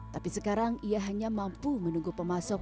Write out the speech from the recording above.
tapi sekarang ia hanya mampu menunggu pemasok